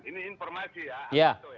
ini informasi ya